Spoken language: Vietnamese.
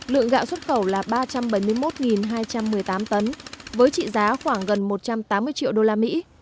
lượng gạo xuất khẩu là ba trăm bảy mươi một hai trăm một mươi tám tấn với trị giá khoảng gần một trăm tám mươi triệu đô la mỹ